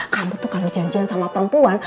kamu tuh karena janjian sama perempuan